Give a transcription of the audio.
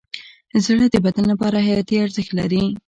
زړه د بدن لپاره حیاتي ارزښت لري.